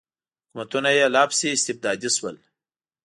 حکومتونه یې لا پسې استبدادي شول.